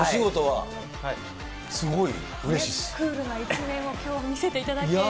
クールな一面をきょう見せていただけると。